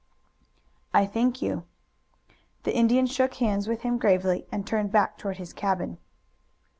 "I thank you." The Indian shook hands with him gravely and turned back toward his cabin.